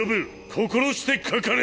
心してかかれ！